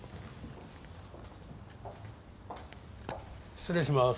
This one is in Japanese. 失礼します。